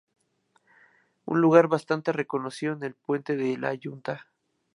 Un lugar bastante reconocido es el Puente La Yunta.